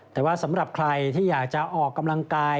แต่ว่าสำหรับใครที่อยากจะออกกำลังกาย